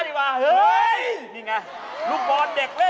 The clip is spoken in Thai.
ลูกบอลเด็กเล่น